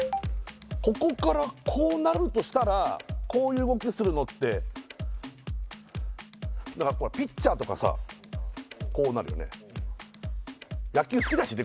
ここからこうなるとしたらこういう動きするのってだからピッチャーとかさこうなるよね